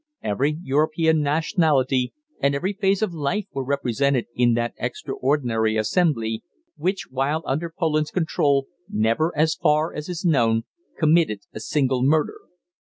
Every European nationality and every phase of life were represented in that extraordinary assembly, which, while under Poland's control, never, as far as is known, committed a single murder.